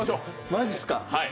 マジっすか。